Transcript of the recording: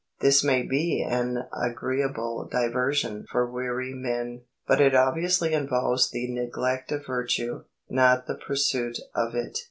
This may be an agreeable diversion for weary men, but it obviously involves the neglect of virtue, not the pursuit of it.